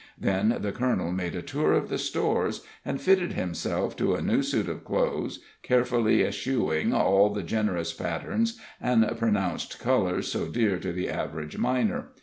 Then the colonel made a tour of the stores, and fitted himself to a new suit of clothes, carefully eschewing all of the generous patterns and pronounced colors so dear to the average miner.